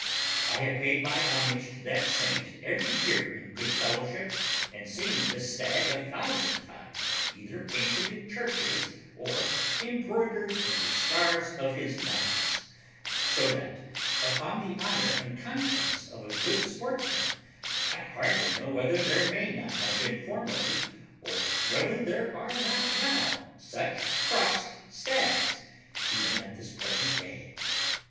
I have paid my homage to that saint every year in good fellowship, and seen this stag a thousand times, either painted in churches, or embroidered in the stars of his knights; so that, upon the honour and conscience of a good sportsman, I hardly know whether there may not have been formerly, or whether there are not such crossed stags even at this present day.